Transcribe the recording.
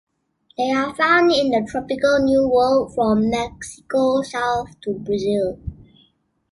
They are found in the tropical New World from Mexico south to Brazil.